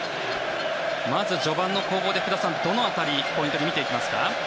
まず序盤の攻防で福田さんどの辺りをポイントに見ていきますか？